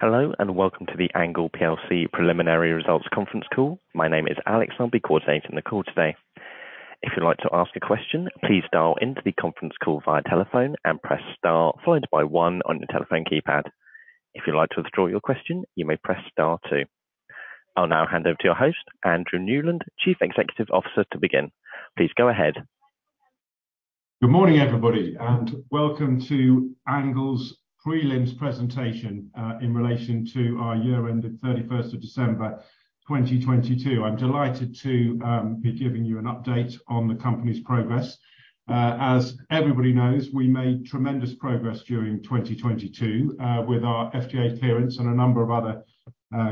Hello, welcome to the ANGLE plc preliminary results conference call. My name is Alex, I'll be coordinating the call today. If you'd like to ask a question, please dial into the conference call via telephone and press Star followed by One on your telephone keypad. If you'd like to withdraw your question, you may press Star two. I'll now hand over to your host, Andrew Newland, Chief Executive Officer to begin. Please go ahead. Good morning, everybody, and welcome to ANGLE's prelims presentation, in relation to our year end of 31st of December, 2022. I'm delighted to be giving you an update on the company's progress. As everybody knows, we made tremendous progress during 2022, with our FDA clearance and a number of other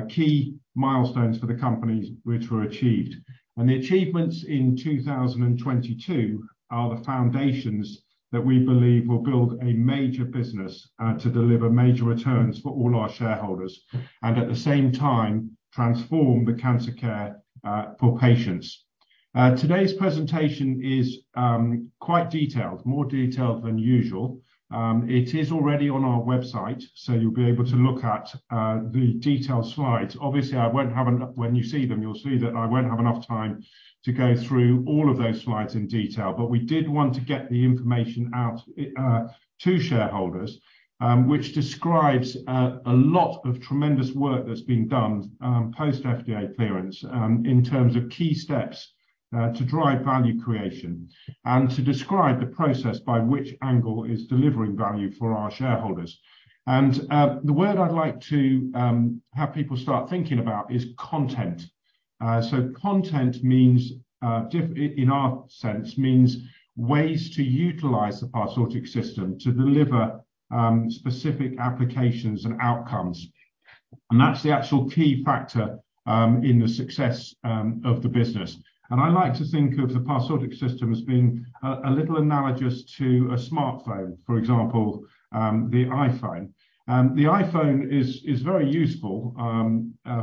key milestones for the company which were achieved. The achievements in 2022 are the foundations that we believe will build a major business to deliver major returns for all our shareholders. At the same time, transform the cancer care for patients. Today's presentation is quite detailed, more detailed than usual. It is already on our website, so you'll be able to look at the detailed slides. Obviously, I won't have enough... When you see them, you'll see that I won't have enough time to go through all of those slides in detail. We did want to get the information out to shareholders, which describes a lot of tremendous work that's been done post FDA clearance in terms of key steps to drive value creation and to describe the process by which ANGLE is delivering value for our shareholders. The word I'd like to have people start thinking about is content. Content means, in our sense, means ways to utilize the Parsortix system to deliver specific applications and outcomes. That's the actual key factor in the success of the business. I like to think of the Parsortix system as being a little analogous to a smartphone, for example, the iPhone. The iPhone is very useful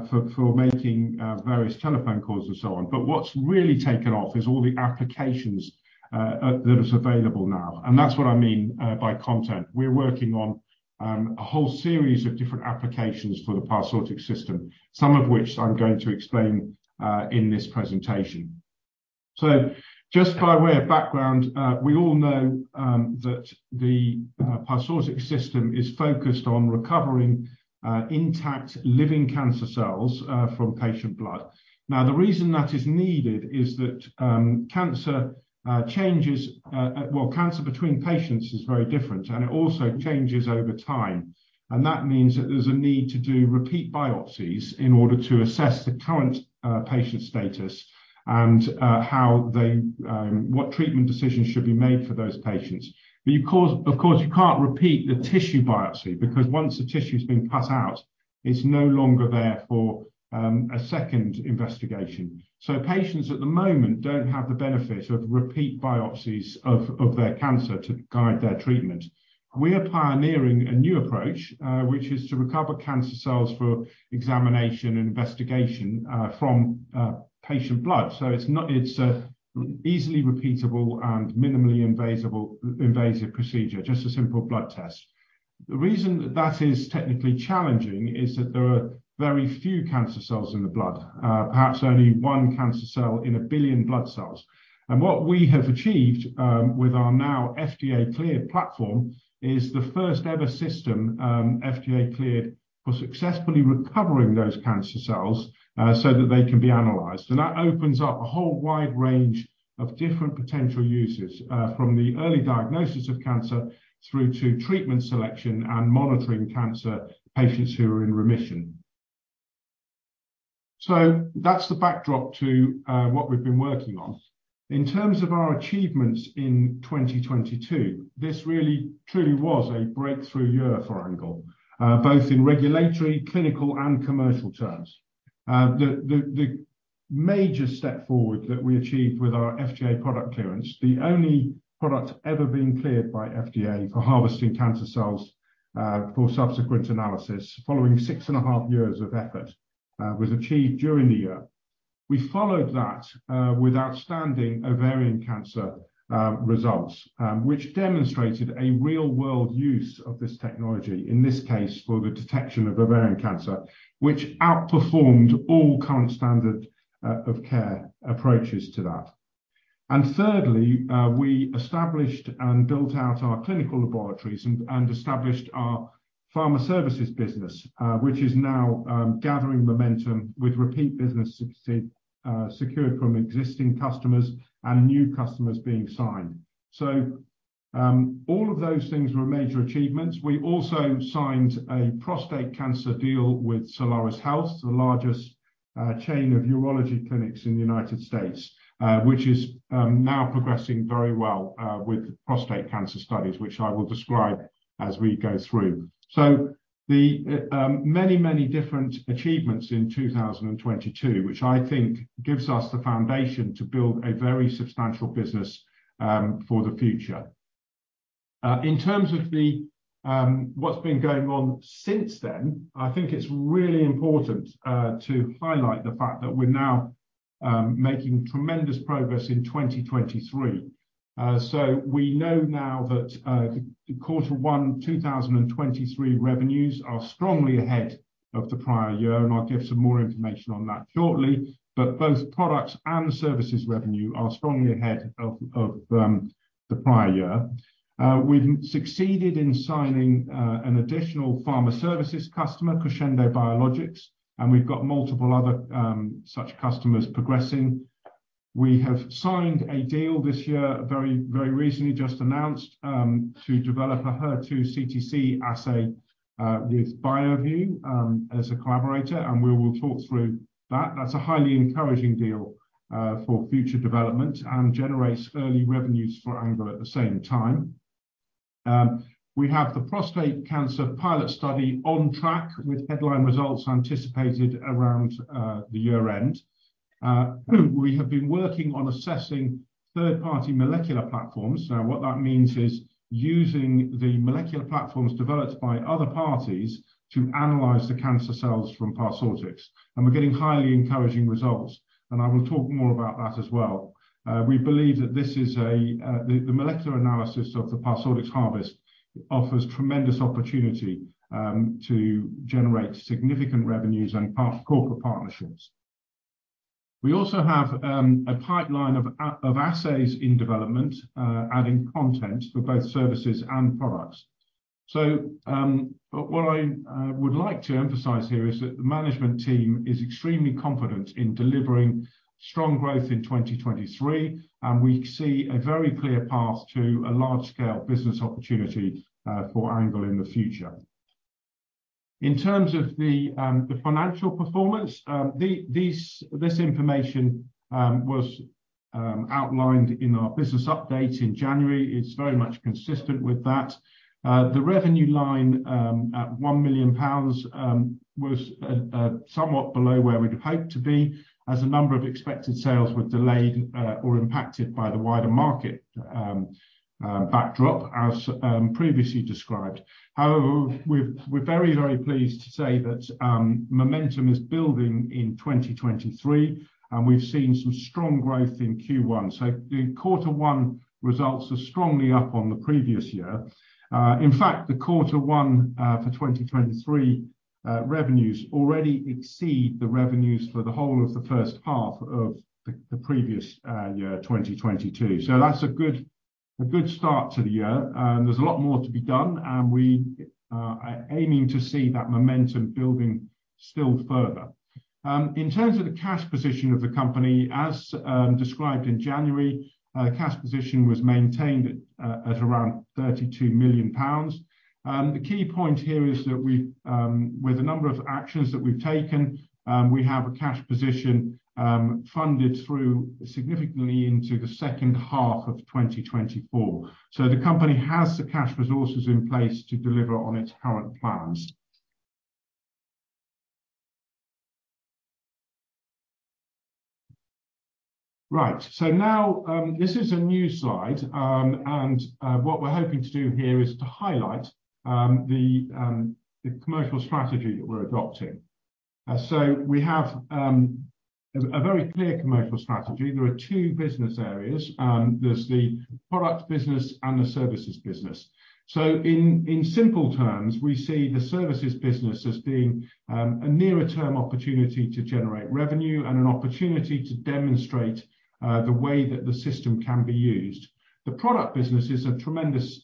for making various telephone calls and so on. What's really taken off is all the applications that is available now. That's what I mean by content. We're working on a whole series of different applications for the Parsortix system, some of which I'm going to explain in this presentation. Just by way of background, we all know that the Parsortix system is focused on recovering intact living cancer cells from patient blood. The reason that is needed is that cancer changes, well cancer between patients is very different, and it also changes over time. That means that there's a need to do repeat biopsies in order to assess the current patient status and what treatment decisions should be made for those patients. Of course, you can't repeat the tissue biopsy because once the tissue's been cut out, it's no longer there for a second investigation. Patients at the moment don't have the benefit of repeat biopsies of their cancer to guide their treatment. We are pioneering a new approach, which is to recover cancer cells for examination and investigation from patient blood. It's easily repeatable and minimally invasive procedure, just a simple blood test. The reason that is technically challenging is that there are very few cancer cells in the blood. Perhaps only one cancer cell in 1 billion blood cells. What we have achieved with our now FDA-cleared platform is the first ever system FDA cleared for successfully recovering those cancer cells so that they can be analyzed. That opens up a whole wide range of different potential uses from the early diagnosis of cancer through to treatment selection and monitoring cancer patients who are in remission. That's the backdrop to what we've been working on. In terms of our achievements in 2022, this really truly was a breakthrough year for ANGLE, both in regulatory, clinical and commercial terms. The major step forward that we achieved with our FDA product clearance, the only product ever been cleared by FDA for harvesting cancer cells for subsequent analysis following 6.5 years of effort, was achieved during the year. We followed that with outstanding ovarian cancer results, which demonstrated a real-world use of this technology, in this case, for the detection of ovarian cancer, which outperformed all current standard of care approaches to that. Thirdly, we established and built out our clinical laboratories and established our pharma services business, which is now gathering momentum with repeat business secured from existing customers and new customers being signed. All of those things were major achievements. We also signed a prostate cancer deal with Solaris Health, the largest chain of urology clinics in the United States, which is now progressing very well with prostate cancer studies, which I will describe as we go through. The many different achievements in 2022, which I think gives us the foundation to build a very substantial business for the future. In terms of what's been going on since then, I think it's really important to highlight the fact that we're making tremendous progress in 2023. We know now that the Q1 2023 revenues are strongly ahead of the prior year, and I'll give some more information on that shortly. Both products and services revenue are strongly ahead of the prior year. We've succeeded in signing an additional pharma services customer, Crescendo Biologics, and we've got multiple other such customers progressing. We have signed a deal this year, very, very recently, just announced, to develop a HER2 CTC assay with BioView as a collaborator, and we will talk through that. That's a highly encouraging deal for future development and generates early revenues for Angle at the same time. We have the prostate cancer pilot study on track with headline results anticipated around the year-end. We have been working on assessing third-party molecular platforms. Now, what that means is using the molecular platforms developed by other parties to analyze the cancer cells from Parsortix, and we're getting highly encouraging results, and I will talk more about that as well. We believe that this is the molecular analysis of the Parsortix harvest offers tremendous opportunity to generate significant revenues and part corporate partnerships. We also have a pipeline of assays in development, adding content for both services and products. What I would like to emphasize here is that the management team is extremely confident in delivering strong growth in 2023, and we see a very clear path to a large-scale business opportunity for ANGLE in the future. In terms of the financial performance, this information was outlined in our business update in January. It's very much consistent with that. The revenue line, at 1 million pounds, was somewhat below where we'd hoped to be, as a number of expected sales were delayed or impacted by the wider market backdrop as previously described. We're very, very pleased to say that momentum is building in 2023, and we've seen some strong growth in Q1. The quarter one results are strongly up on the previous year. In fact, the quarter one for 2023 revenues already exceed the revenues for the whole of the first half of the previous year, 2022. That's a good start to the year. There's a lot more to be done, and we are aiming to see that momentum building still further. In terms of the cash position of the company, as described in January, cash position was maintained at around 32 million pounds. The key point here is that we, with the number of actions that we've taken, we have a cash position, funded through significantly into the second half of 2024. The company has the cash resources in place to deliver on its current plans. Right. Now, this is a new slide. What we're hoping to do here is to highlight the commercial strategy that we're adopting. We have a very clear commercial strategy. There are 2 business areas. There's the product business and the services business. In simple terms, we see the services business as being a nearer term opportunity to generate revenue and an opportunity to demonstrate the way that the system can be used. The product business is a tremendous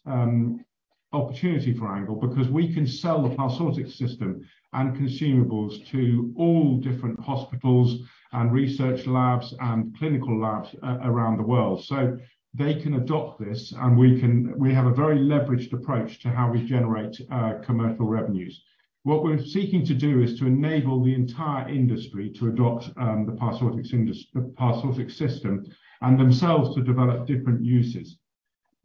opportunity for ANGLE because we can sell the Parsortix system and consumables to all different hospitals and research labs and clinical labs around the world. They can adopt this, and we have a very leveraged approach to how we generate commercial revenues. What we're seeking to do is to enable the entire industry to adopt the Parsortix system and themselves to develop different uses.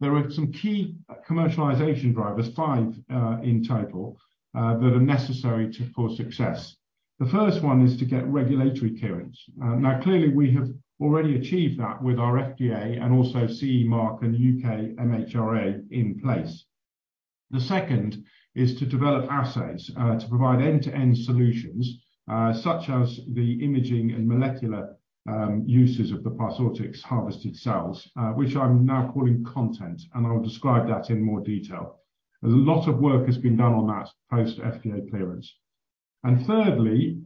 There are some key commercialization drivers, five in total, that are necessary for success. The first one is to get regulatory clearance. Now, clearly, we have already achieved that with our FDA and also CE mark and U.K. MHRA in place. The second is to develop assays to provide end-to-end solutions, such as the imaging and molecular uses of the Parsortix harvested cells, which I'm now calling content, and I'll describe that in more detail. A lot of work has been done on that post-FDA clearance. Thirdly,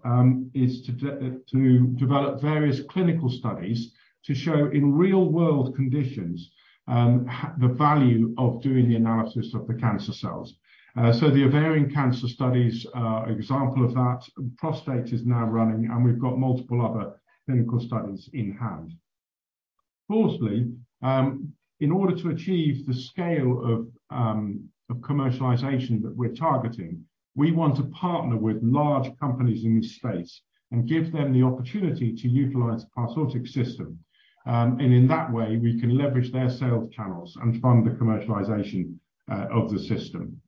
is to develop various clinical studies to show in real-world conditions the value of doing the analysis of the cancer cells. The ovarian cancer studies are example of that. Prostate is now running, and we've got multiple other clinical studies in-hand. Fourthly, in order to achieve the scale of commercialization that we're targeting, we want to partner with large companies in this space and give them the opportunity to utilize Parsortix system. In that way, we can leverage their sales channels and fund the commercialization of the system.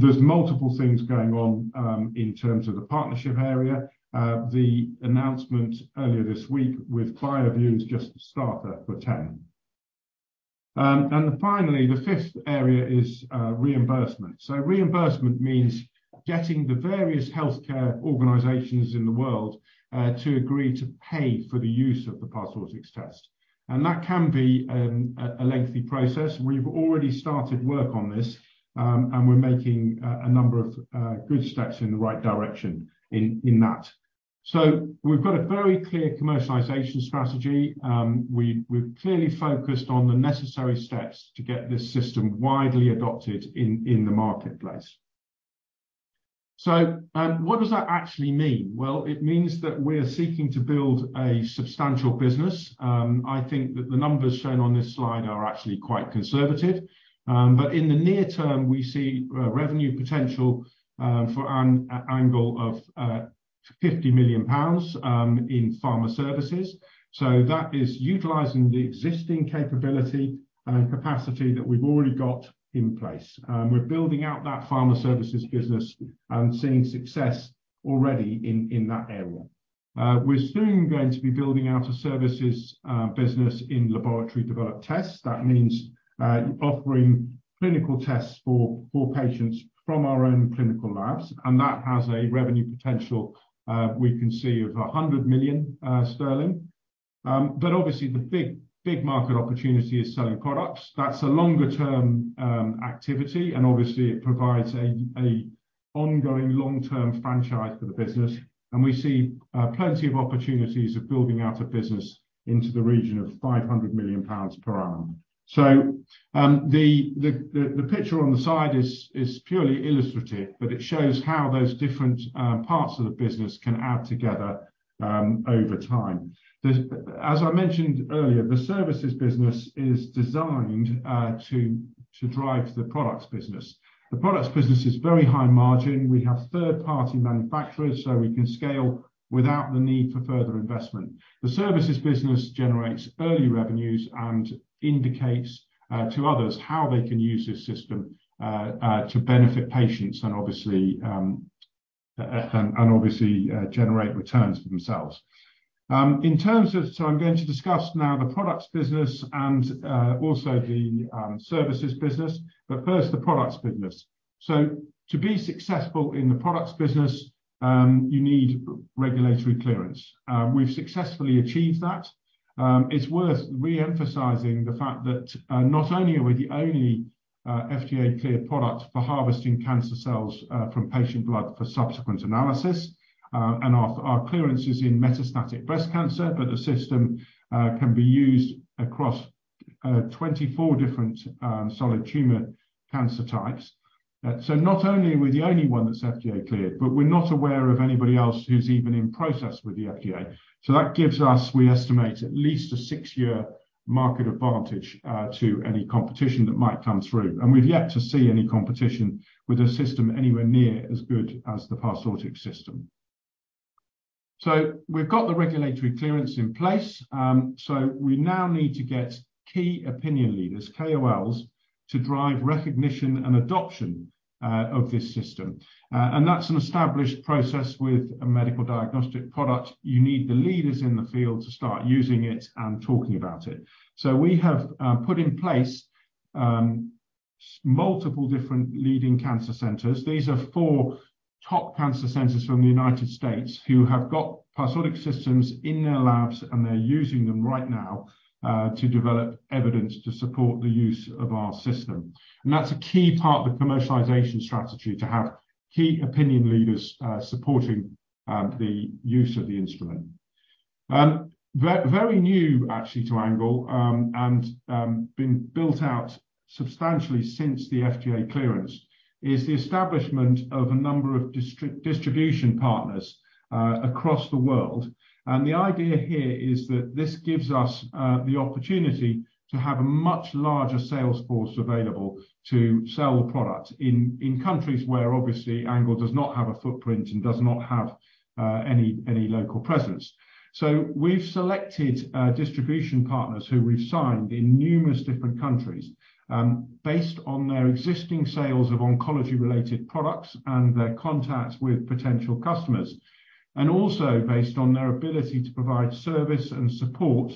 There's multiple things going on in terms of the partnership area. The announcement earlier this week with BioView is just the starter for 10. Finally, the fifth area is reimbursement. Reimbursement means getting the various healthcare organizations in the world to agree to pay for the use of the Parsortix test, and that can be a lengthy process. We've already started work on this, and we're making a number of good steps in the right direction in that. We've got a very clear commercialization strategy. We've clearly focused on the necessary steps to get this system widely adopted in the marketplace. What does that actually mean? Well, it means that we're seeking to build a substantial business. I think that the numbers shown on this slide are actually quite conservative. In the near term, we see revenue potential for ANGLE of 50 million pounds in pharma services. That is utilizing the existing capability and capacity that we've already got in place. We're building out that pharma services business and seeing success already in that area. We're soon going to be building out a services business in laboratory-developed tests. That means offering clinical tests for patients from our own clinical labs, and that has a revenue potential we can see of 100 million sterling. Obviously the big market opportunity is selling products. That's a longer-term activity, and obviously it provides a ongoing long-term franchise for the business. We see plenty of opportunities of building out a business into the region of 500 million pounds per annum. The picture on the side is purely illustrative, but it shows how those different parts of the business can add together over time. As I mentioned earlier, the services business is designed to drive the products business. The products business is very high margin. We have third-party manufacturers, so we can scale without the need for further investment. The services business generates early revenues and indicates to others how they can use this system to benefit patients and obviously, generate returns for themselves. In terms of... I'm going to discuss now the products business and also the services business, but first the products business. To be successful in the products business, you need regulatory clearance. We've successfully achieved that. It's worth re-emphasizing the fact that not only are we the only FDA-cleared product for harvesting cancer cells from patient blood for subsequent analysis, and our clearance is in metastatic breast cancer, but the system can be used across 24 different solid tumor cancer types. Not only are we the only one that's FDA cleared, but we're not aware of anybody else who's even in process with the FDA. That gives us, we estimate at least a six-year market advantage to any competition that might come through. We've yet to see any competition with a system anywhere near as good as the Parsortix system. We've got the regulatory clearance in place. We now need to get key opinion leaders, KOLs, to drive recognition and adoption of this system. That's an established process with a medical diagnostic product. You need the leaders in the field to start using it and talking about it. We have put in place multiple different leading cancer centers. These are four top cancer centers from the United States who have got Parsortix systems in their labs, and they're using them right now to develop evidence to support the use of our system. That's a key part of the commercialization strategy, to have key opinion leaders supporting the use of the instrument. Very new actually to ANGLE, and been built out substantially since the FDA clearance, is the establishment of a number of distribution partners across the world. The idea here is that this gives us the opportunity to have a much larger sales force available to sell the product in countries where obviously ANGLE does not have a footprint and does not have any local presence. We've selected distribution partners who we've signed in numerous different countries, based on their existing sales of oncology-related products and their contacts with potential customers, and also based on their ability to provide service and support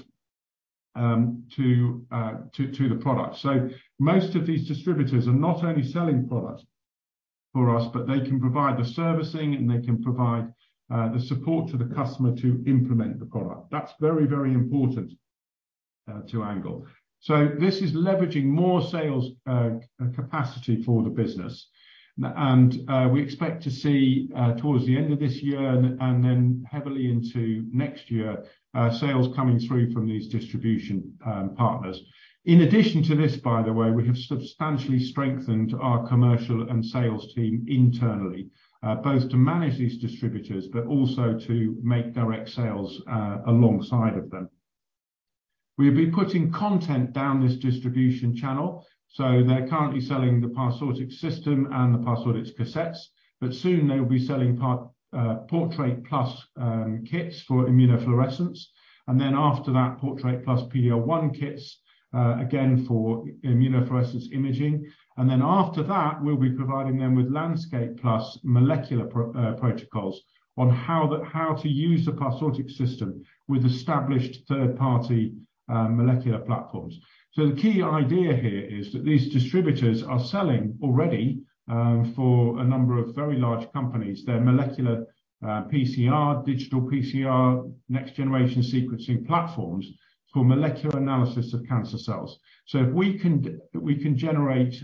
to the product. Most of these distributors are not only selling product for us, but they can provide the servicing, and they can provide the support to the customer to implement the product. That's very, very important to ANGLE. This is leveraging more sales capacity for the business. We expect to see towards the end of this year and then heavily into next year, sales coming through from these distribution partners. In addition to this, by the way, we have substantially strengthened our commercial and sales team internally, both to manage these distributors, but also to make direct sales alongside of them. We'll be putting content down this distribution channel. They're currently selling the Parsortix system and the Parsortix cassettes, but soon they'll be selling Portrait+ kits for immunofluorescence. Portrait+ PD-L1 kits, again for immunofluorescence imaging. We'll be providing them with Landscape Plus molecular protocols on how to use the Parsortix system with established third-party molecular platforms. The key idea here is that these distributors are selling already for a number of very large companies, their molecular PCR, digital PCR, Next-Generation Sequencing platforms for molecular analysis of cancer cells. If we can generate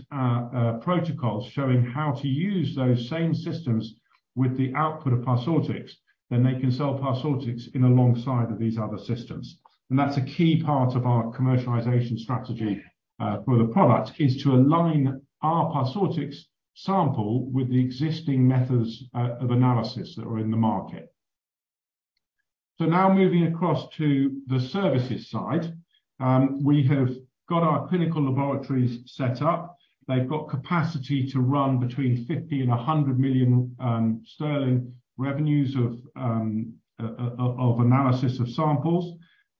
protocols showing how to use those same systems with the output of Parsortix, then they can sell Parsortix in alongside of these other systems. That's a key part of our commercialization strategy for the product, is to align our Parsortix sample with the existing methods of analysis that are in the market. Moving across to the services side, we have got our clinical laboratories set up. They've got capacity to run between 50 million and 100 million sterling revenues of analysis of samples,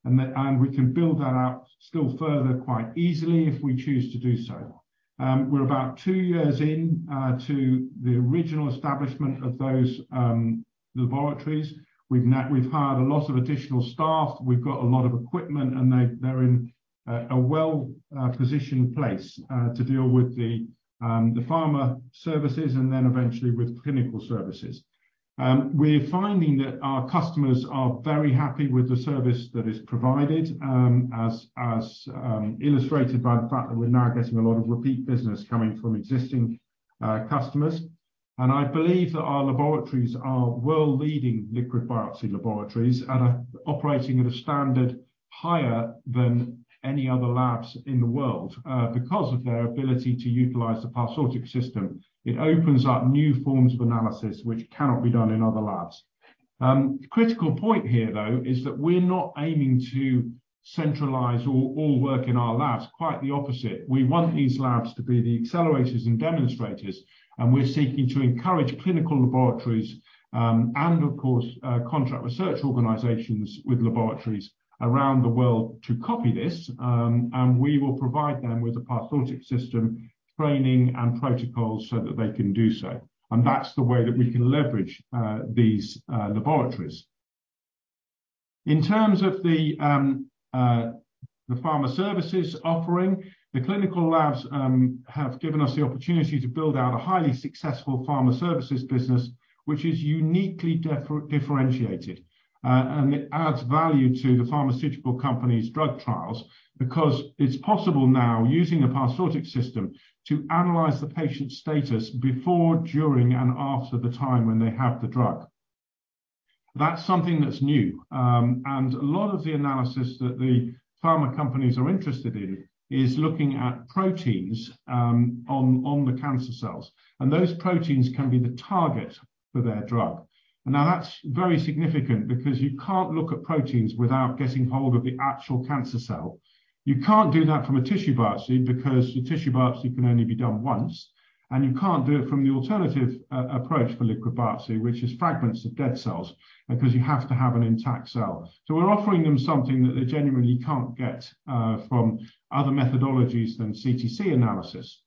and we can build that out still further quite easily if we choose to do so. We're about two years in to the original establishment of those laboratories. We've now hired a lot of additional staff. We've got a lot of equipment, and they're in a well-positioned place to deal with the pharma services and then eventually with clinical services. We're finding that our customers are very happy with the service that is provided, as illustrated by the fact that we're now getting a lot of repeat business coming from existing customers. I believe that our laboratories are world-leading liquid biopsy laboratories operating at a standard higher than any other labs in the world because of their ability to utilize the Parsortix system. It opens up new forms of analysis which cannot be done in other labs. Critical point here, though, is that we're not aiming to centralize all work in our labs. Quite the opposite. We want these labs to be the accelerators and demonstrators, and we're seeking to encourage clinical laboratories, and of course, contract research organizations with laboratories around the world to copy this. We will provide them with a Parsortix system, training, and protocols so that they can do so. That's the way that we can leverage these laboratories. In terms of the pharma services offering, the clinical labs have given us the opportunity to build out a highly successful pharma services business, which is uniquely differentiated. And it adds value to the pharmaceutical company's drug trials because it's possible now, using a Parsortix system, to analyze the patient's status before, during, and after the time when they have the drug. That's something that's new. And a lot of the analysis that the pharma companies are interested in is looking at proteins on the cancer cells, and those proteins can be the target for their drug. And now that's very significant because you can't look at proteins without getting hold of the actual cancer cell. You can't do that from a tissue biopsy because the tissue biopsy can only be done once, and you can't do it from the alternative approach for liquid biopsy, which is fragments of dead cells, because you have to have an intact cell. We're offering them something that they genuinely can't get from other methodologies than CTC analysis.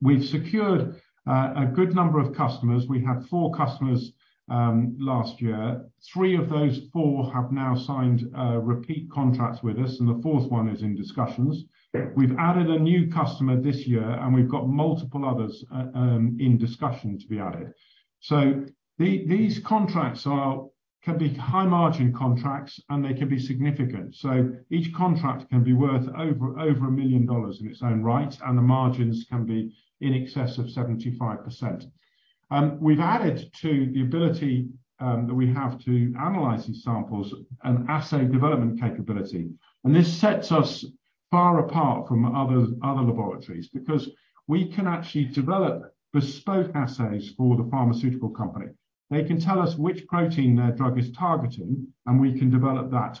We've secured a good number of customers. We had four customers last year. Three of those four have now signed repeat contracts with us, and the fourth one is in discussions. We've added a new customer this year, and we've got multiple others in discussion to be added. These contracts can be high-margin contracts, and they can be significant. Each contract can be worth over $1 million in its own right, and the margins can be in excess of 75%. We've added to the ability that we have to analyze these samples an assay development capability. This sets us far apart from other laboratories because we can actually develop bespoke assays for the pharmaceutical company. They can tell us which protein their drug is targeting, and we can develop that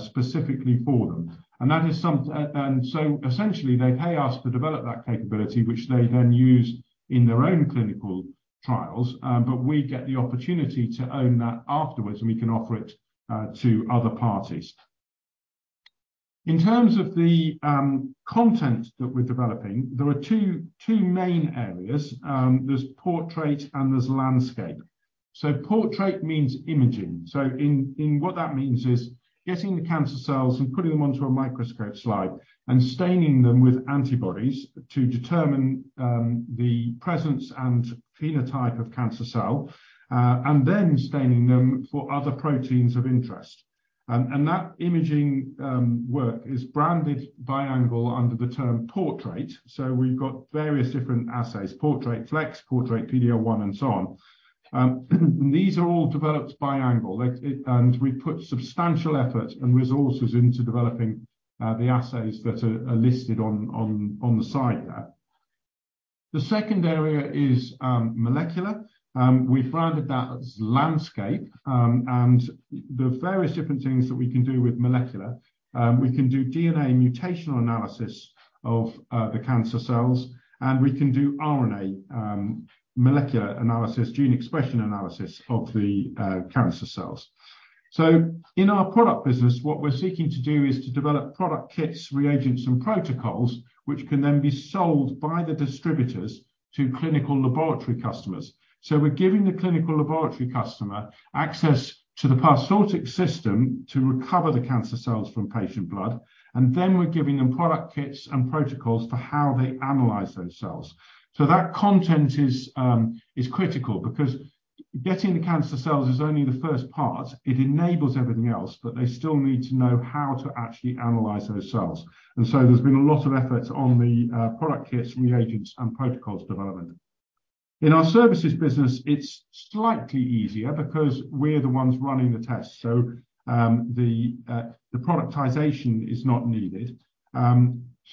specifically for them. Essentially, they pay us to develop that capability, which they then use in their own clinical trials, but we get the opportunity to own that afterwards, and we can offer it to other parties. In terms of the content that we're developing, there are two main areas. There's Portrait and there's Landscape. Portrait means imaging. What that means is getting the cancer cells and putting them onto a microscope slide and staining them with antibodies to determine the presence and phenotype of cancer cell, and then staining them for other proteins of interest. That imaging work is branded by ANGLE under the term Portrait. We've got various different assays, Portrait Flex, Portrait PD-L1, and so on. These are all developed by ANGLE. We put substantial effort and resources into developing the assays that are listed on the site there. The second area is molecular. We've branded that as Landscape. The various different things that we can do with molecular, we can do DNA mutational analysis of the cancer cells, we can do RNA molecular analysis, gene expression analysis of the cancer cells. In our product business, what we're seeking to do is to develop product kits, reagents, and protocols which can then be sold by the distributors to clinical laboratory customers. We're giving the clinical laboratory customer access to the Parsortix system to recover the cancer cells from patient blood, we're giving them product kits and protocols for how they analyze those cells. That content is critical because getting the cancer cells is only the first part. It enables everything else, they still need to know how to actually analyze those cells. There's been a lot of effort on the product kits, reagents, and protocols development. In our services business, it's slightly easier because we're the ones running the tests. The productization is not needed.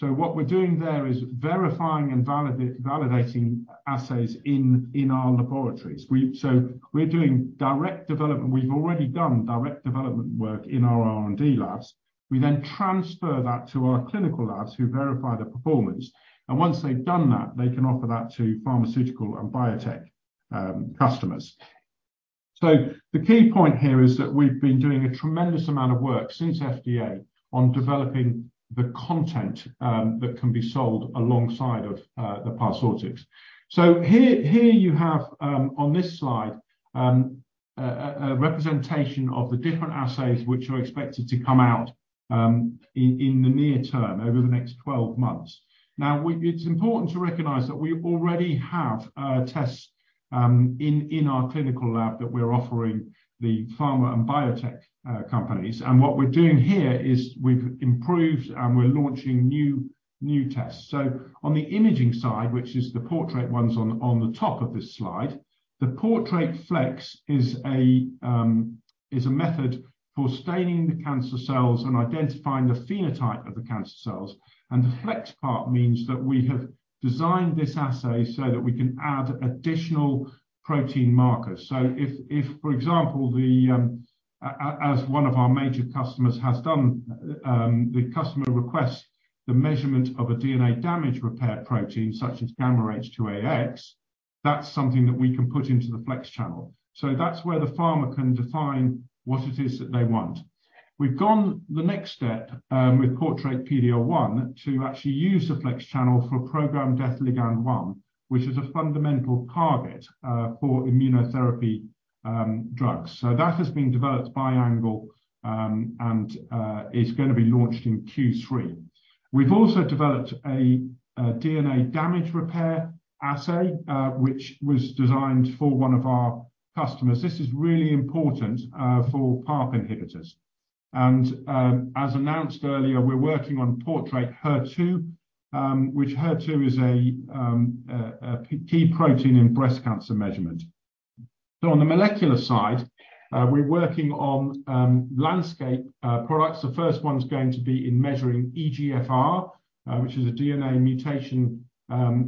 What we're doing there is verifying and validating assays in our laboratories. We're doing direct development. We've already done direct development work in our R&D labs. We transfer that to our clinical labs, who verify the performance. Once they've done that, they can offer that to pharmaceutical and biotech customers. The key point here is that we've been doing a tremendous amount of work since FDA on developing the content that can be sold alongside of the Parsortix. Here you have on this slide a representation of the different assays which are expected to come out in the near term, over the next 12 months. It's important to recognize that we already have tests in our clinical lab that we're offering the pharma and biotech companies. What we're doing here is we've improved and we're launching new tests. On the imaging side, which is the Portrait ones on the top of this slide, the Portrait Flex is a method for staining the cancer cells and identifying the phenotype of the cancer cells. The Flex part means that we have designed this assay so that we can add additional protein markers. If, for example, as one of our major customers has done, the customer requests the measurement of a DNA damage repair protein such as gamma-H2AX, that's something that we can put into the Flex channel. That's where the pharma can define what it is that they want. We've gone the next step with Portrait PD-L1 to actually use the Flex channel for programmed death ligand-one, which is a fundamental target for immunotherapy drugs. That has been developed by ANGLE, and is gonna be launched in Q3. We've also developed a DNA damage repair assay, which was designed for one of our customers. This is really important for PARP inhibitors. As announced earlier, we're working on Portrait HER2, which HER2 is a key protein in breast cancer measurement. On the molecular side, we're working on Landscape products. The first one's going to be in measuring EGFR, which is a DNA mutation,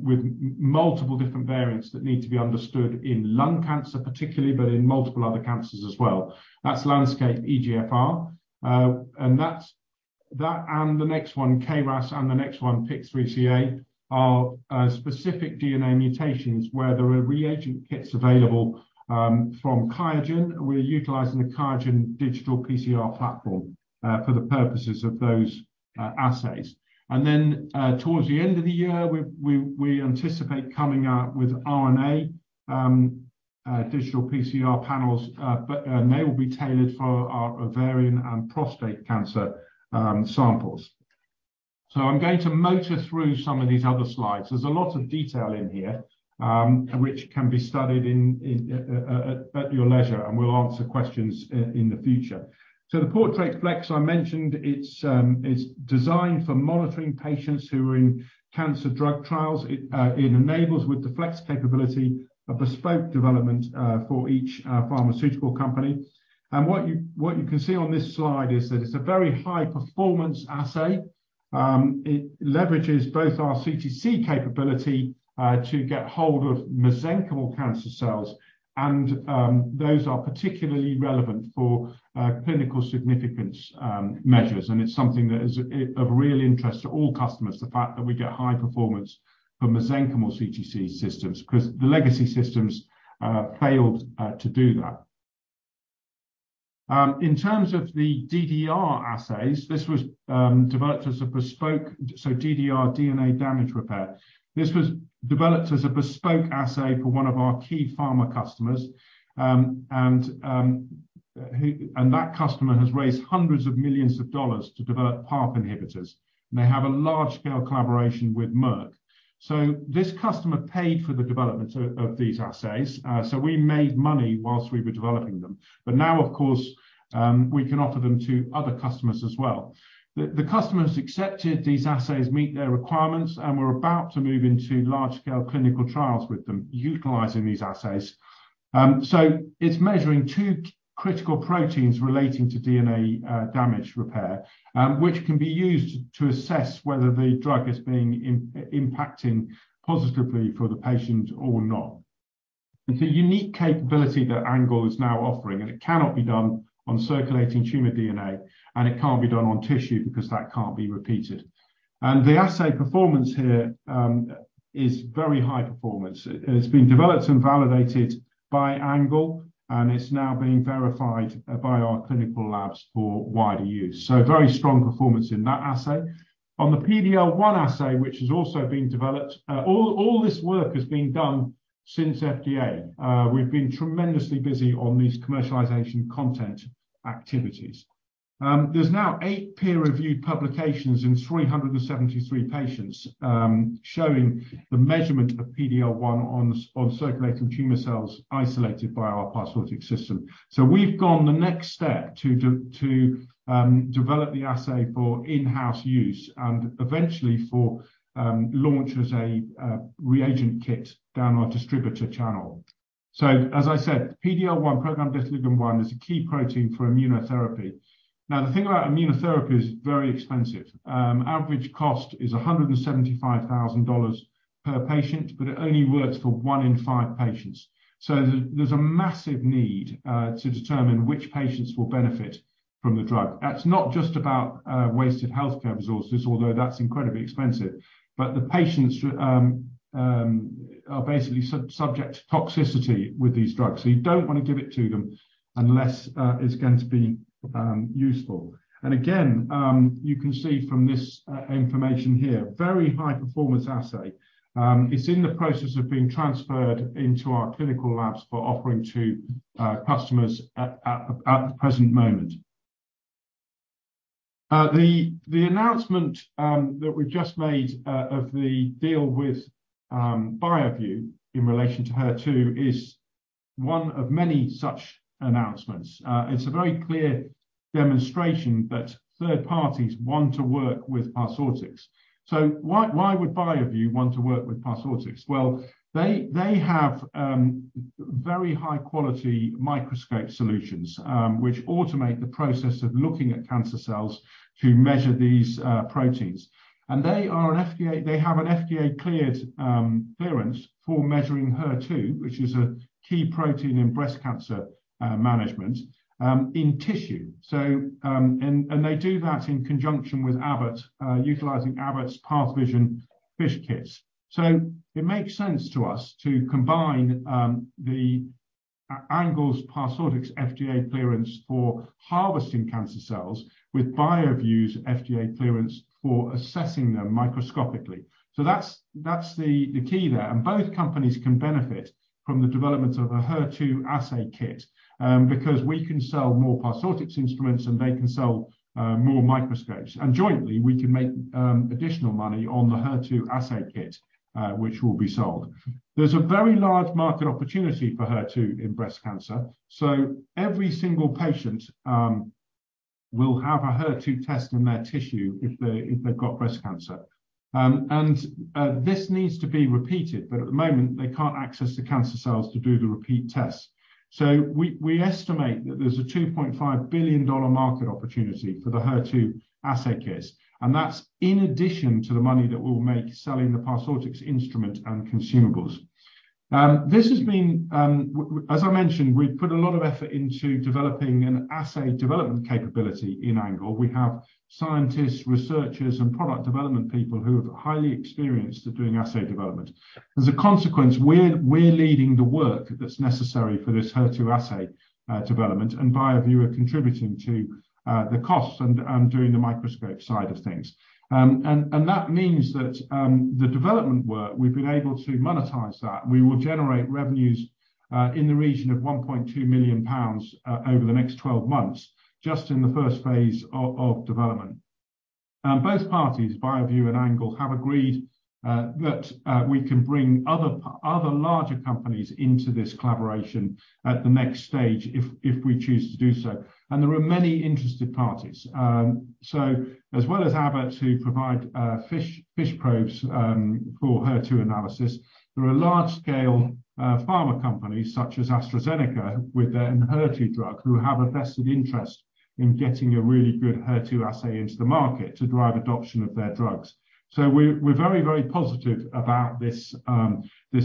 with multiple different variants that need to be understood in lung cancer particularly, but in multiple other cancers as well. That's Landscape EGFR. That, and the next one, KRAS, and the next one, PIK3CA, are specific DNA mutations where there are reagent kits available from QIAGEN. We're utilizing the QIAGEN digital PCR platform for the purposes of those assays. Towards the end of the year, we anticipate coming out with RNA digital PCR panels, but they will be tailored for our ovarian and prostate cancer samples. I'm going to motor through some of these other slides. There's a lot of detail in here, which can be studied in at your leisure, and we'll answer questions in the future. The Portrait Flex I mentioned, it's designed for monitoring patients who are in cancer drug trials. It enables, with the Flex capability, a bespoke development for each pharmaceutical company. What you can see on this slide is that it's a very high-performance assay. It leverages both our CTC capability to get hold of mesenchymal cancer cells, and those are particularly relevant for clinical significance measures. It's something that is of real interest to all customers, the fact that we get high performance from mesenchymal CTC systems, 'cause the legacy systems failed to do that. In terms of the DDR assays, this was developed as a bespoke. DDR, DNA damage repair. This was developed as a bespoke assay for one of our key pharma customers, that customer has raised hundreds of millions of dollars to develop PARP inhibitors, and they have a large-scale collaboration with Merck. This customer paid for the development of these assays. We made money whilst we were developing them. Now, of course, we can offer them to other customers as well. The customers accepted these assays meet their requirements, and we're about to move into large-scale clinical trials with them, utilizing these assays. It's measuring two critical proteins relating to DNA damage repair, which can be used to assess whether the drug is being impacting positively for the patient or not. It's a unique capability that Angle is now offering. It cannot be done on circulating tumor DNA. It can't be done on tissue because that can't be repeated. The assay performance here is very high performance. It's been developed and validated by Angle. It's now being verified by our clinical labs for wider use. Very strong performance in that assay. On the PD-L1 assay, which has also been developed. All this work has been done since FDA. We've been tremendously busy on these commercialization content activities. There's now 8 peer-reviewed publications in 373 patients, showing the measurement of PD-L1 on circulating tumor cells isolated by our Parsortix system. We've gone the next step to develop the assay for in-house use and eventually for launch as a reagent kit down our distributor channel. As I said, PD-L1, programmed death-ligand one, is a key protein for immunotherapy. The thing about immunotherapy is it's very expensive. Average cost is $175,000 per patient, but it only works for 1 in 5 patients. There's a massive need to determine which patients will benefit from the drug. That's not just about wasted healthcare resources, although that's incredibly expensive. The patients are basically subject to toxicity with these drugs. You don't wanna give it to them unless it's going to be useful. Again, you can see from this information here, very high performance assay. It's in the process of being transferred into our clinical labs for offering to customers at the present moment. The announcement that we just made of the deal with BioView in relation to HER2 is one of many such announcements. It's a very clear demonstration that third parties want to work with Parsortix. Why would BioView want to work with Parsortix? Well, they have very high quality microscope solutions, which automate the process of looking at cancer cells to measure these proteins. They have an FDA-cleared clearance for measuring HER2, which is a key protein in breast cancer management in tissue. They do that in conjunction with Abbott, utilizing Abbott's PathVysion FISH kits. It makes sense to us to combine ANGLE's Parsortix FDA clearance for harvesting cancer cells with BioView's FDA clearance for assessing them microscopically. That's the key there. Both companies can benefit from the development of a HER2 assay kit, because we can sell more Parsortix instruments, and they can sell more microscopes. Jointly, we can make additional money on the HER2 assay kit, which will be sold. There's a very large market opportunity for HER2 in breast cancer. Every single patient will have a HER2 test in their tissue if they've got breast cancer. This needs to be repeated, but at the moment, they can't access the cancer cells to do the repeat test. We estimate that there's a $2.5 billion market opportunity for the HER2 assay kits, that's in addition to the money that we'll make selling the Parsortix instrument and consumables. As I mentioned, we've put a lot of effort into developing an assay development capability in ANGLE. We have scientists, researchers, and product development people who are highly experienced at doing assay development. As a consequence, we're leading the work that's necessary for this HER2 assay development, and BioView are contributing to the costs and doing the microscope side of things. That means that the development work, we've been able to monetize that. We will generate revenues in the region of 1.2 million pounds over the next 12 months, just in the first phase of development. Both parties, BioView and ANGLE, have agreed that we can bring other larger companies into this collaboration at the next stage if we choose to do so, and there are many interested parties. As well as Abbott who provide FISH probes for HER2 analysis, there are large scale pharma companies such as AstraZeneca with their Enhertu drug, who have a vested interest in getting a really good HER2 assay into the market to drive adoption of their drugs. We're very, very positive about this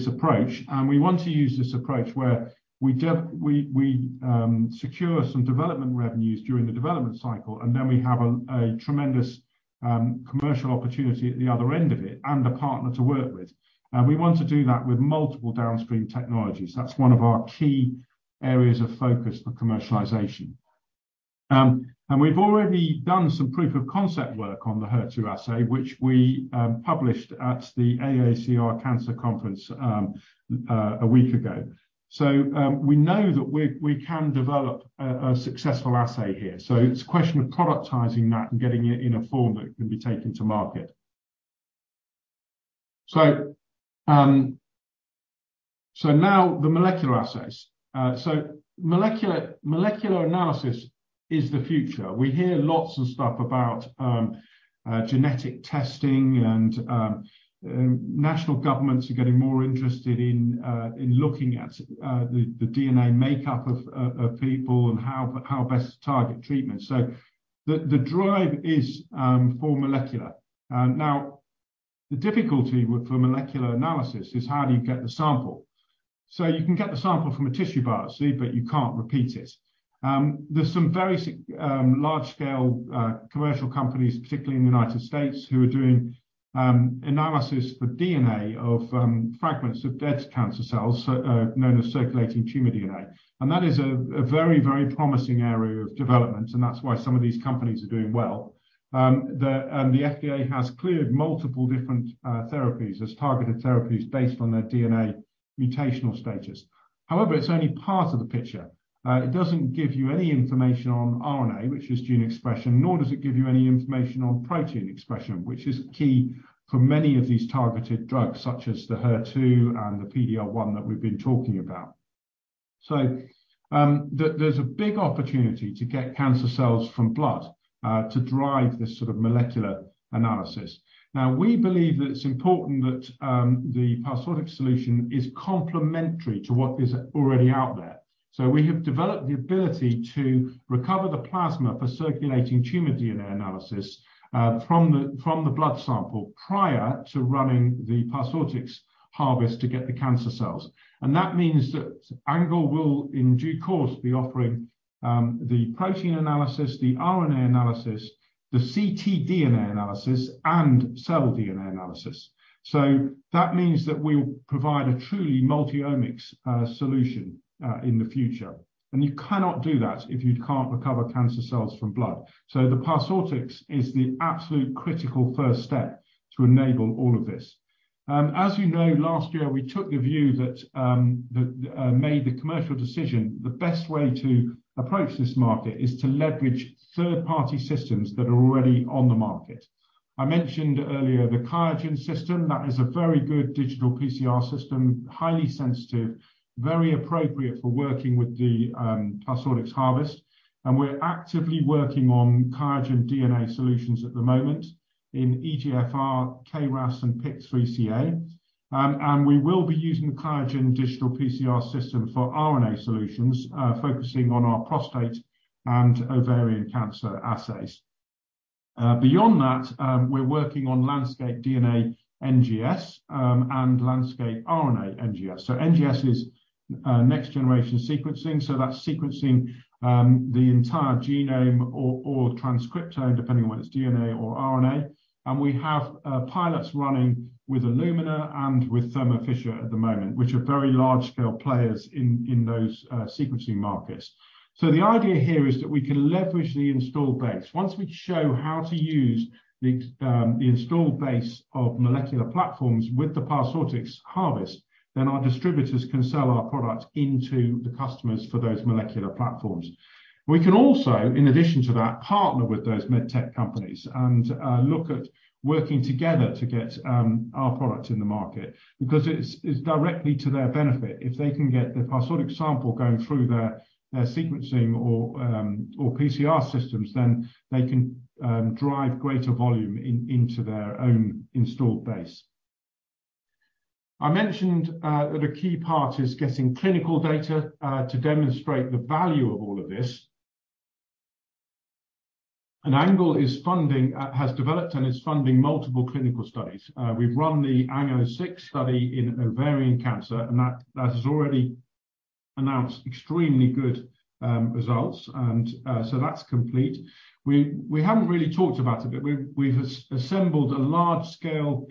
approach, and we want to use this approach where we secure some development revenues during the development cycle, and then we have a tremendous commercial opportunity at the other end of it and a partner to work with. We want to do that with multiple downstream technologies. That's one of our key areas of focus for commercialization. And we've already done some proof of concept work on the HER2 assay, which we published at the AACR Cancer conference a week ago. We know that we can develop a successful assay here. It's a question of productizing that and getting it in a form that can be taken to market. Now the molecular assays. Molecular analysis is the future. We hear lots of stuff about genetic testing and national governments are getting more interested in looking at the DNA makeup of people and how best to target treatment. The drive is for molecular. Now the difficulty for molecular analysis is how do you get the sample? You can get the sample from a tissue biopsy, but you can't repeat it. There's some very large scale commercial companies, particularly in the United States, who are doing analysis for DNA of fragments of dead cancer cells, known as circulating tumor DNA. That is a very, very promising area of development. That's why some of these companies are doing well. The FDA has cleared multiple different therapies as targeted therapies based on their DNA mutational status. However, it's only part of the picture. It doesn't give you any information on RNA, which is gene expression, nor does it give you any information on protein expression, which is key for many of these targeted drugs, such as the HER2 and the PD-L1 that we've been talking about. There's a big opportunity to get cancer cells from blood to drive this sort of molecular analysis. Now, we believe that it's important that the Parsortix solution is complementary to what is already out there. We have developed the ability to recover the plasma for circulating tumor DNA analysis from the blood sample prior to running the Parsortix harvest to get the cancer cells. That means that ANGLE will in due course be offering the protein analysis, the RNA analysis, the ctDNA analysis, and cell DNA analysis. That means that we will provide a truly multi-omics solution in the future. You cannot do that if you can't recover cancer cells from blood. The Parsortix is the absolute critical first step to enable all of this. As you know, last year we took the view that made the commercial decision the best way to approach this market is to leverage third-party systems that are already on the market. I mentioned earlier the QIAGEN system. That is a very good digital PCR system, highly sensitive, very appropriate for working with the Parsortix harvest, and we're actively working on QIAGEN DNA solutions at the moment in EGFR, KRAS and PIK3CA. We will be using the QIAGEN digital PCR system for RNA solutions, focusing on our prostate and ovarian cancer assays. Beyond that, we're working on Landscape DNA NGS and Landscape RNA NGS. NGS is Next-Generation Sequencing, that's sequencing the entire genome or transcriptome, depending on whether it's DNA or RNA. We have pilots running with Illumina and with Thermo Fisher at the moment, which are very large scale players in those sequencing markets. The idea here is that we can leverage the installed base. Once we show how to use the installed base of molecular platforms with the Parsortix harvest, then our distributors can sell our product into the customers for those molecular platforms. We can also, in addition to that, partner with those med tech companies and look at working together to get our product in the market because it's directly to their benefit. If they can get the Parsortix sample going through their sequencing or PCR systems, they can drive greater volume into their own installed base. I mentioned that a key part is getting clinical data to demonstrate the value of all of this. ANGLE is funding, has developed and is funding multiple clinical studies. We've run the ANG-006 study in ovarian cancer, that has already announced extremely good results. That's complete. We haven't really talked about it, we've assembled a large scale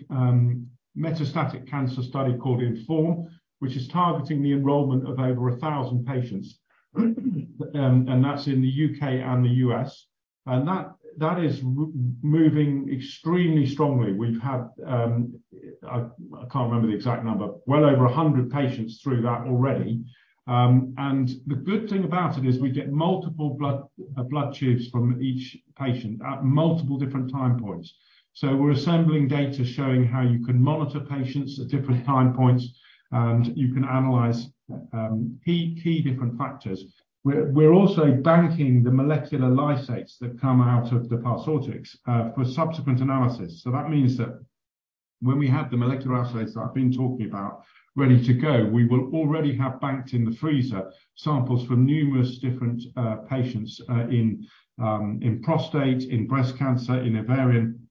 metastatic cancer study called INFORM, which is targeting the enrollment of over 1,000 patients, that's in the U.K. and the U.S. That is moving extremely strongly. We've had, I can't remember the exact number, well over 100 patients through that already. And the good thing about it is we get multiple blood tubes from each patient at multiple different time points. We're assembling data showing how you can monitor patients at different time points, and you can analyze key different factors. We're also banking the molecular lysates that come out of the Parsortix for subsequent analysis. That means that when we have the molecular assays that I've been talking about ready to go, we will already have banked in the freezer samples from numerous different patients in prostate, in breast cancer, in ovarian,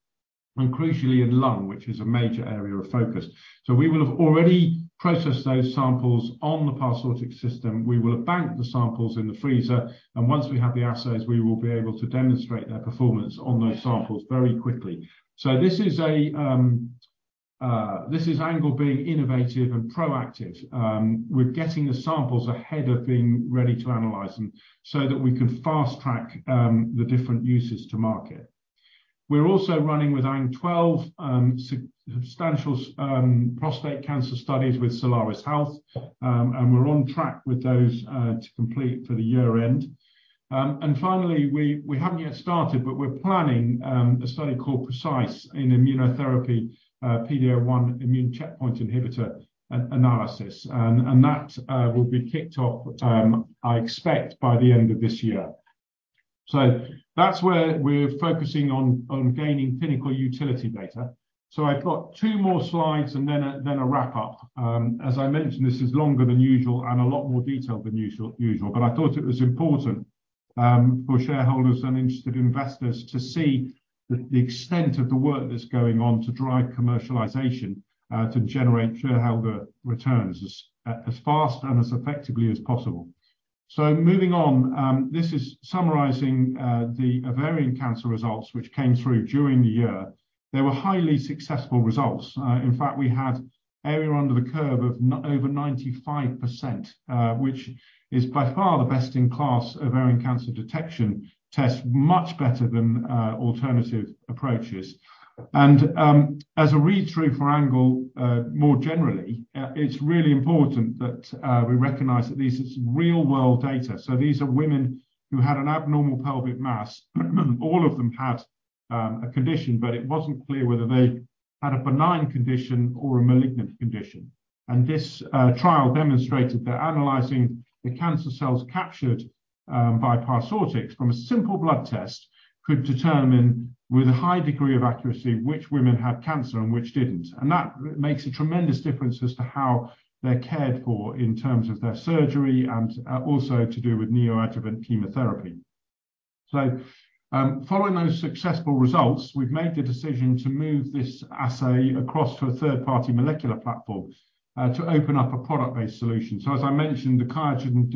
and crucially in lung, which is a major area of focus. We will have already processed those samples on the Parsortix system. We will have banked the samples in the freezer, and once we have the assays, we will be able to demonstrate their performance on those samples very quickly. This is ANGLE being innovative and proactive. We're getting the samples ahead of being ready to analyze them so that we can fast track the different uses to market. We're also running with ANG12 substantial prostate cancer studies with Solaris Health. We're on track with those to complete for the year end. Finally, we haven't yet started, but we're planning a study called Precise in immunotherapy, PD-L1 immune checkpoint inhibitor analysis. That will be kicked off, I expect by the end of this year. That's where we're focusing on gaining clinical utility data. I've got two more slides and then a wrap-up. As I mentioned, this is longer than usual and a lot more detailed than usual. I thought it was important for shareholders and interested investors to see the extent of the work that's going on to drive commercialization to generate shareholder returns as fast and as effectively as possible. Moving on, this is summarizing the ovarian cancer results which came through during the year. They were highly successful results. In fact, we had area under the curve of 95%, which is by far the best in class ovarian cancer detection test, much better than alternative approaches. As a read-through for Angle, more generally, it's really important that we recognize that this is real world data. These are women who had an abnormal pelvic mass. All of them had a condition, but it wasn't clear whether they had a benign condition or a malignant condition. This trial demonstrated that analyzing the cancer cells captured by Parsortix from a simple blood test could determine with a high degree of accuracy which women had cancer and which didn't. That makes a tremendous difference as to how they're cared for in terms of their surgery and also to do with neoadjuvant chemotherapy. Following those successful results, we've made the decision to move this assay across to a third-party molecular platform to open up a product-based solution. As I mentioned, the QIAGEN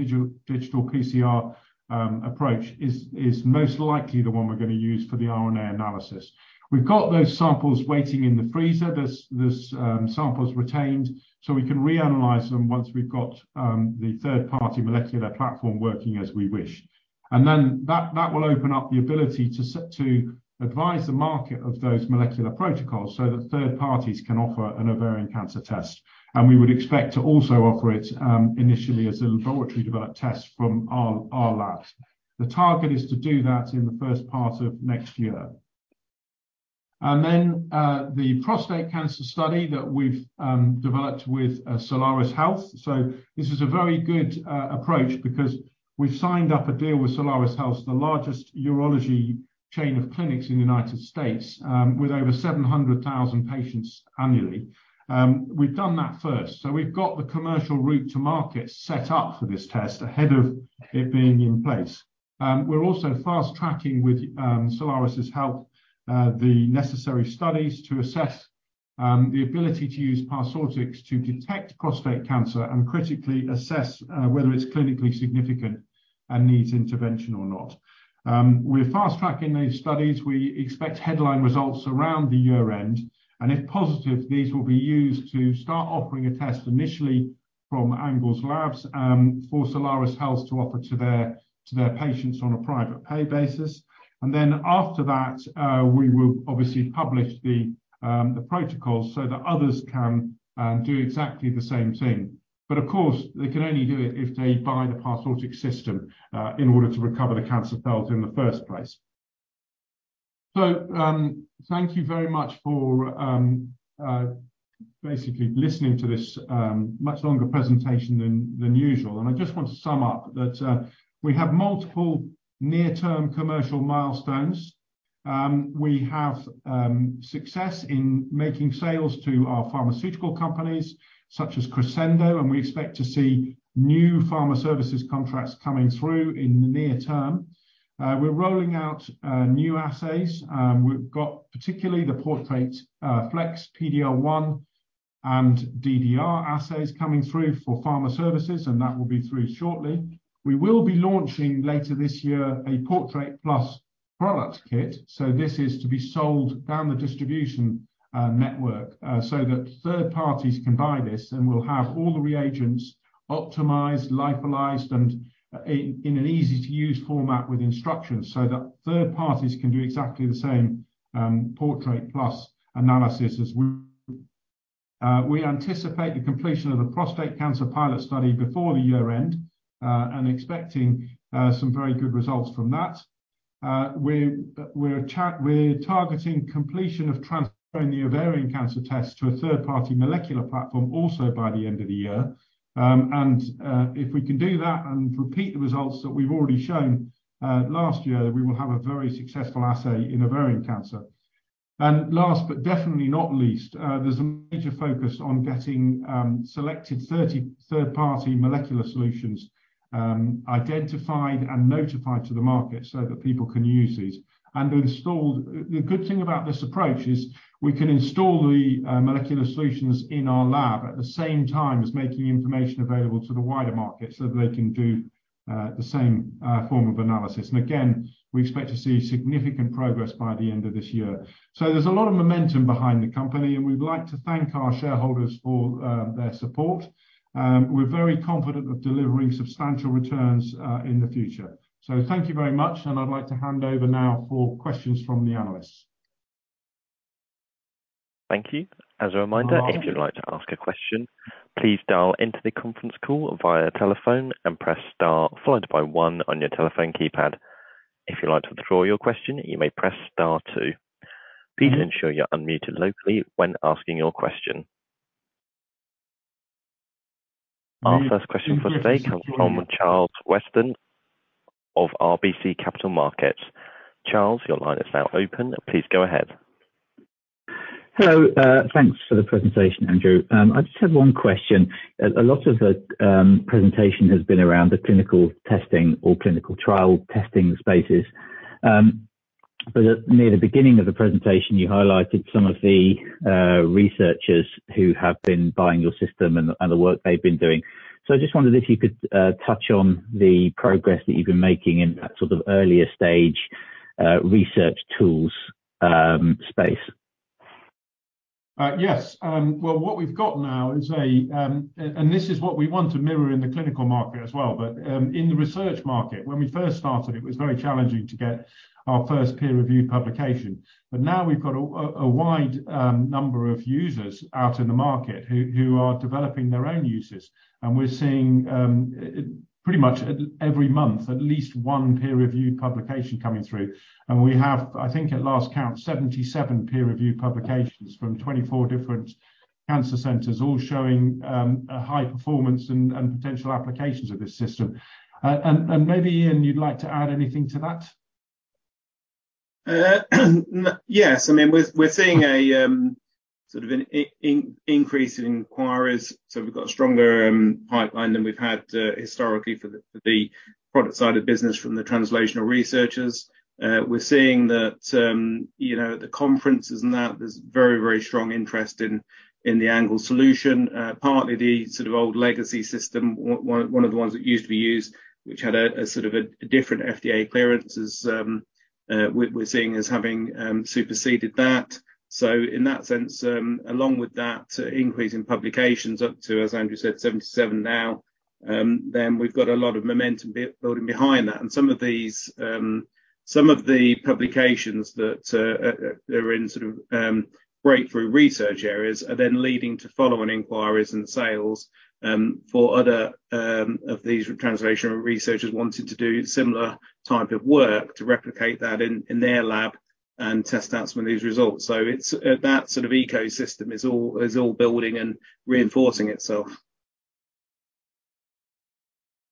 digital PCR approach is most likely the one we're gonna use for the RNA analysis. We've got those samples waiting in the freezer. There's samples retained, so we can reanalyze them once we've got the third party molecular platform working as we wish. That will open up the ability to advise the market of those molecular protocols so that third parties can offer an ovarian cancer test. We would expect to also offer it initially as a laboratory developed test from our labs. The target is to do that in the first part of next year. The prostate cancer study that we've developed with Solaris Health. This is a very good approach because we've signed up a deal with Solaris Health, the largest urology chain of clinics in the United States, with over 700,000 patients annually. We've done that first. We've got the commercial route to market set up for this test ahead of it being in place. We're also fast-tracking with Solaris's help, the necessary studies to assess the ability to use Parsortix to detect prostate cancer and critically assess whether it's clinically significant and needs intervention or not. We're fast-tracking these studies. We expect headline results around the year-end. If positive, these will be used to start offering a test initially from ANGLE's labs for Solaris Health to offer to their patients on a private pay basis. After that, we will obviously publish the protocols so that others can do exactly the same thing. Of course, they can only do it if they buy the Parsortix system in order to recover the cancer cells in the first place. Thank you very much for basically listening to this much longer presentation than usual. I just want to sum up that we have multiple near-term commercial milestones. We have success in making sales to our pharmaceutical companies such as Crescendo, and we expect to see new pharma services contracts coming through in the near term. We're rolling out new assays. We've got particularly the Portrait Flex, PD-L1 and DDR assays coming through for pharma services, and that will be through shortly. We will be launching later this year a Portrait Plus product kit. This is to be sold down the distribution network so that third parties can buy this and will have all the reagents optimized, lyophilized and in an easy-to-use format with instructions so that third parties can do exactly the same Portrait Plus analysis as we. We anticipate the completion of the prostate cancer pilot study before the year-end and expecting some very good results from that. We're targeting completion of transferring the ovarian cancer test to a third-party molecular platform also by the end of the year. If we can do that and repeat the results that we've already shown last year, we will have a very successful assay in ovarian cancer. Last but definitely not least, there's a major focus on getting selected 30 third-party molecular solutions identified and notified to the market so that people can use it. Installed. The good thing about this approach is we can install the molecular solutions in our lab at the same time as making information available to the wider market so that they can do the same form of analysis. Again, we expect to see significant progress by the end of this year. There's a lot of momentum behind the company, and we'd like to thank our shareholders for their support. We're very confident of delivering substantial returns in the future. Thank you very much, and I'd like to hand over now for questions from the analysts. Thank you. As a reminder, if you'd like to ask a question, please dial into the conference call via telephone and press Star followed by one on your telephone keypad. If you'd like to withdraw your question, you may press Star two. Please ensure you're unmuted locally when asking your question. Our first question for today comes from Charles Weston of RBC Capital Markets. Charles, your line is now open. Please go ahead. Hello. Thanks for the presentation, Andrew. I just have one question. A lot of the presentation has been around the clinical testing or clinical trial testing spaces. But near the beginning of the presentation, you highlighted some of the researchers who have been buying your system and the work they've been doing. I just wondered if you could touch on the progress that you've been making in that sort of earlier stage research tools space. Yes. Well, what we've got now is a, this is what we want to mirror in the clinical market as well. In the research market, when we first started, it was very challenging to get our first peer-reviewed publication. Now we've got a wide number of users out in the market who are developing their own uses, and we're seeing pretty much every month, at least one peer-reviewed publication coming through. We have, I think at last count, 77 peer-reviewed publications from 24 different cancer centers, all showing a high performance and potential applications of this system. Maybe, Ian, you'd like to add anything to that? Yes. I mean, we're seeing a sort of an increase in inquiries. We've got a stronger pipeline than we've had historically for the product side of the business from the translational researchers. We're seeing that, you know, at the conferences and that, there's very, very strong interest in the ANGLE solution. Partly the sort of old legacy system, one of the ones that used to be used, which had a sort of a different FDA clearance is, we're seeing as having superseded that. In that sense, along with that increase in publications up to, as Andrew said, 77 now, then we've got a lot of momentum building behind that. Some of these, some of the publications that, they're in sort of, breakthrough research areas are then leading to follow-on inquiries and sales, for other, of these translational researchers wanting to do similar type of work to replicate that in their lab and test out some of these results. It's that sort of ecosystem is all building and reinforcing itself.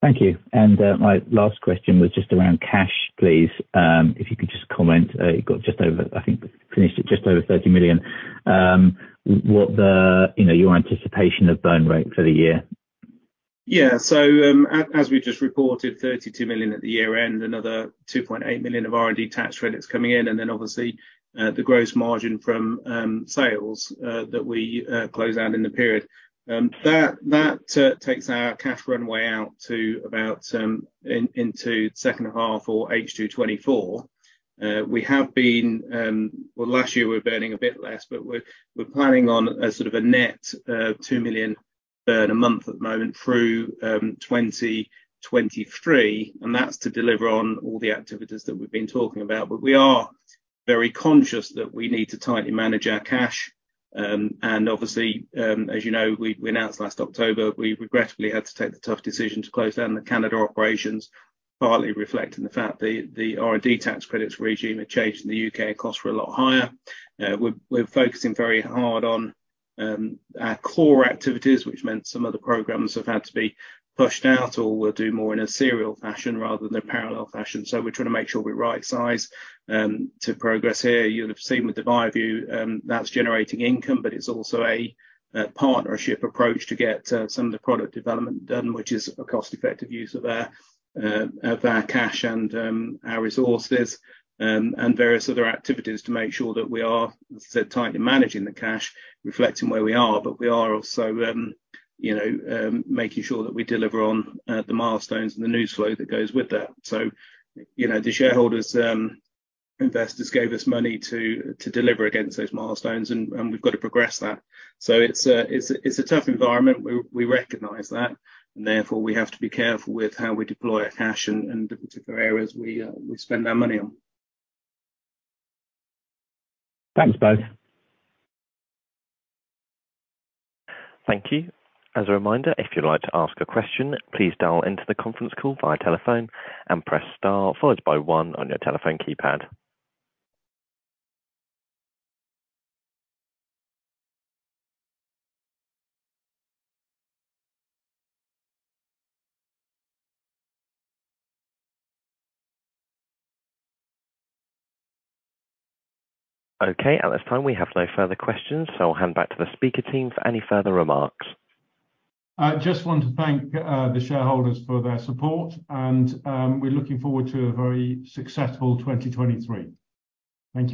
Thank you. My last question was just around cash, please. If you could just comment. You got just over, I think finished at just over 30 million. What the, you know, your anticipation of burn rate for the year? As we've just reported, 32 million at the year-end, another 2.8 million of R&D tax credits coming in. Obviously, the gross margin from sales that we close out in the period. That takes our cash runway out to about into second half or H2 2024. Well, last year we were burning a bit less, but we're planning on a sort of a net 2 million burn a month at the moment through 2023, and that's to deliver on all the activities that we've been talking about. We are very conscious that we need to tightly manage our cash. Obviously, we announced last October, we regrettably had to take the tough decision to close down the Canada operations, partly reflecting the fact the R&D tax credits regime had changed in the U.K. and costs were a lot higher. We're focusing very hard on our core activities, which meant some of the programs have had to be pushed out or we'll do more in a serial fashion rather than a parallel fashion. We're trying to make sure we right-size to progress here. You'll have seen with the BioView, that's generating income, but it's also a partnership approach to get some of the product development done, which is a cost-effective use of our cash and our resources, and various other activities to make sure that we are sort of tightly managing the cash, reflecting where we are. We are also, you know, making sure that we deliver on the milestones and the news flow that goes with that. You know, the shareholders', investors gave us money to deliver against those milestones, and we've got to progress that. It's a tough environment. We recognize that, and therefore, we have to be careful with how we deploy our cash and the particular areas we spend our money on. Thanks, both. Thank you. As a reminder, if you'd like to ask a question, please dial into the conference call via telephone and press star followed by one on your telephone keypad. Okay, at this time, we have no further questions. I'll hand back to the speaker team for any further remarks. I just want to thank the shareholders for their support, and we're looking forward to a very successful 2023. Thank you.